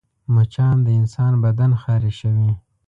مچان د انسان بدن خارشوي